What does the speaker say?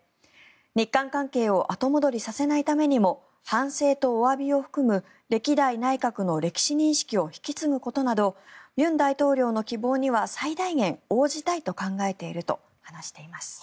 日韓関係を後戻りさせないためにも反省とおわびを含む歴代内閣の歴史認識を引き継ぐことなど尹大統領の希望には最大限応じたいと考えていると話しています。